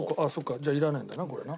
じゃあいらないんだなこれな。